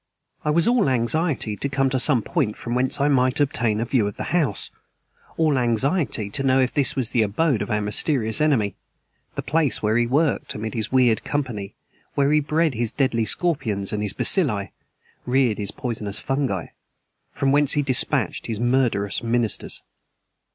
I was all anxiety to come to some point from whence I might obtain a view of the house; all anxiety to know if this was the abode of our mysterious enemy the place where he worked amid his weird company, where he bred his deadly scorpions and his bacilli, reared his poisonous fungi, from whence he dispatched his murder ministers.